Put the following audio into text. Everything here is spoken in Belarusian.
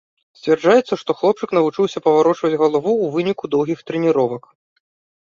Сцвярджаецца, што хлопчык навучыўся паварочваць галаву ў выніку доўгіх трэніровак.